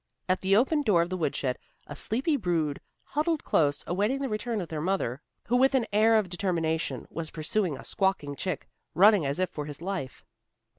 At the open door of the woodshed, a sleepy brood huddled close, awaiting the return of their mother, who with an air of determination was pursuing a squawking chick, running as if for his life.